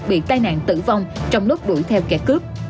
bị tai nạn tử vong trong lúc đuổi theo kẻ cướp